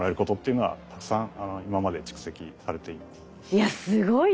いやすごいですね。